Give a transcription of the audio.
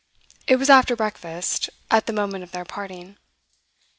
It was after breakfast, at the moment of their parting.